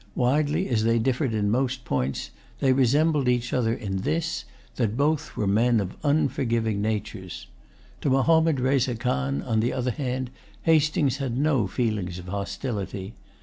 Widely as they differed in most points, they resembled each other in this, that both were men of unforgiving natures. To Mahommed Reza Khan, on the other hand, Hastings had no feelings of hostility.